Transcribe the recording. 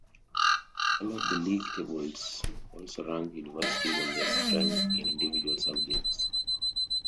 All of the league tables also rank universities on their strength in individual subjects.